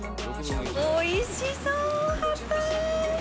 おいしそう、ハタ。